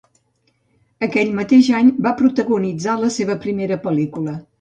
Aquell mateix any va protagonitzar la seva primera pel·lícula.